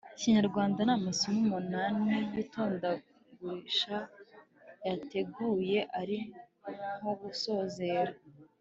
kinyarwanda. ni amasomo umunani y'itondaguranshinga. yayateguye ari nko gusozera